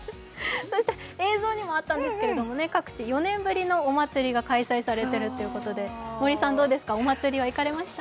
そして映像にもあったんですけれども各地、４年ぶりのお祭りが開催されているということなんですけど森さんお祭りは行かれました？